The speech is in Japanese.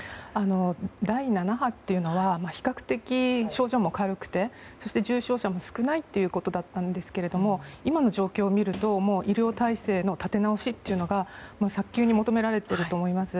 第７波というのは比較的、症状も軽くてそして、重症者も少ないということでしたが今の状況を見ると医療体制の立て直しが早急に求められていると思います。